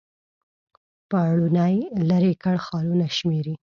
پوړونی لیري کړ خالونه شمیري